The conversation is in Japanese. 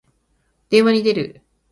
電話に出る。